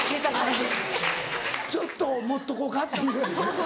ちょっと盛っとこうかっていうやつ。